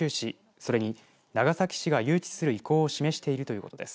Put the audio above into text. それに長崎市が誘致する意向を示しているということです。